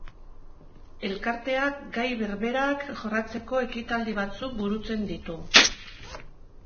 Elkarteak gai berberak jorratzeko ekitaldi batzuk burutzen ditu.